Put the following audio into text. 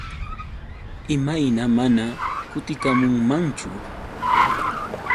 ¿Imayna mana kutikamunmanchu?